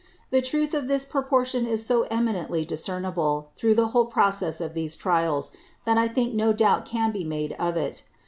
_ The Truth of this Proportion is so eminently discernable through the whole Process of these Trials, that I think no doubt can be made of it.